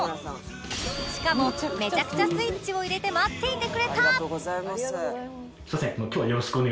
しかもめちゃくちゃスイッチを入れて待っていてくれた